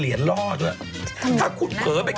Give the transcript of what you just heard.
พี่โอเคพี่ว่าโอเคหมด